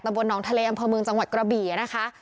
แต่บนน้องทะเลอังพอมึงจังหวัดกระบี่นะคะ